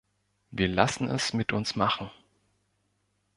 Wir lassen es mit uns machen.